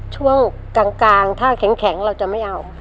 ช่วงกลางถ้าแข็งเราจะไม่เอา